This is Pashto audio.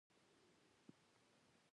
زما واړه الفاظ ګونګ شول